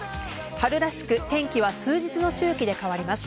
春らしく、天気は数日の周期で変わります。